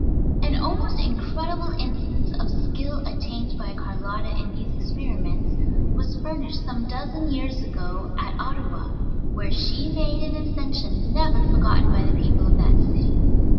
An almost incredible instance of the skill attained by Carlotta in these experiments was furnished some dozen years ago at Ottawa, where she made an ascension never forgotten by the people of that city.